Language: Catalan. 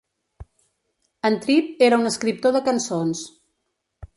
En Tripp era un escriptor de cançons.